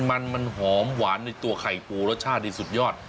มันมันหอมหวานในตัวไข่ปูรสชาตินี่สุดยอด